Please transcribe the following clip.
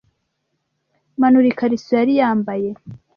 manura ikariso yari yambaye